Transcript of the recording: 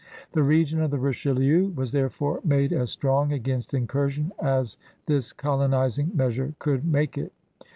The region of the Richelieu was therefore made as strong against incursion as this colonizing measure could make it.